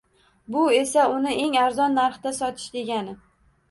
Bu esa uni eng arzon narxda sotish degani.